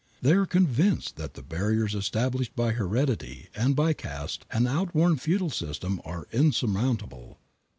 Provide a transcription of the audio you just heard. They are convinced that the barriers established by heredity and by caste, an outworn feudal system, are insurmountable.